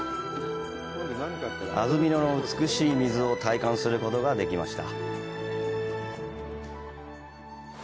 安曇野の美しい水を体感することができました。